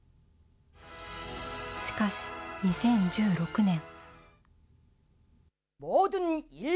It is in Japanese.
しかし、２０１６年。